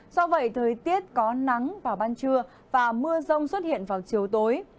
do vậy thời tiết có nắng vào ban trưa và mưa rông xuất hiện vào chiều tối